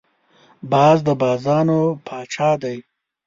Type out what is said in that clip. باز د بازانو پاچا دی